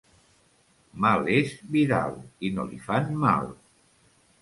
Mal és Vidal i no li fan mal.